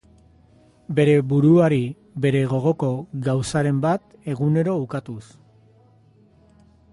Bere buruari bere gogoko gauzaren bat egunero ukatuz.